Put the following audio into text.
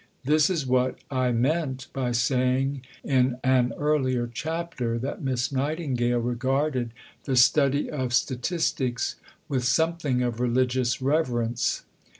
This is what I meant by saying in an earlier chapter that Miss Nightingale regarded the study of statistics with something of religious reverence.